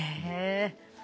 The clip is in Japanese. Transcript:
へえ。